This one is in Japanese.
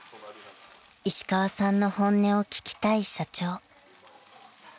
［石川さんの本音を聞きたい社長］